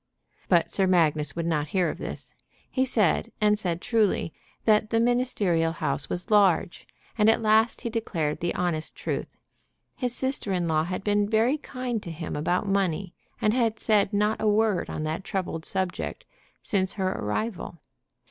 But Sir Magnus would not hear of this. He said, and said truly, that the ministerial house was large; and at last he declared the honest truth. His sister in law had been very kind to him about money, and had said not a word on that troubled subject since her arrival.